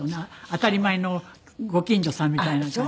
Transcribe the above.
当たり前のご近所さんみたいな感じで。